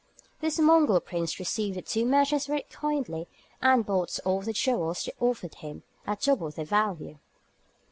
This Mongol prince received the two merchants very kindly, and bought all the jewels they offered him at double their value.